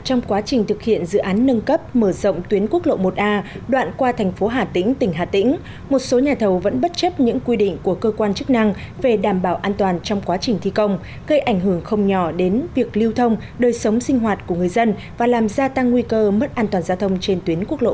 trong quá trình thực hiện dự án nâng cấp mở rộng tuyến quốc lộ một a đoạn qua thành phố hà tĩnh tỉnh hà tĩnh một số nhà thầu vẫn bất chấp những quy định của cơ quan chức năng về đảm bảo an toàn trong quá trình thi công gây ảnh hưởng không nhỏ đến việc lưu thông đời sống sinh hoạt của người dân và làm gia tăng nguy cơ mất an toàn giao thông trên tuyến quốc lộ một